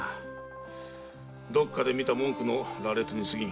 どっかで見た文句の羅列にすぎん。